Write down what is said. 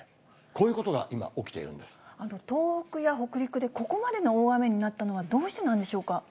こういうことが今、起きているん東北や北陸で、ここまでの大雨になったのはどうしてなんでしょうか。